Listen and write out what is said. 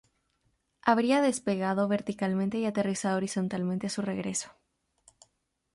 Habría despegado verticalmente y aterrizado horizontalmente a su regreso.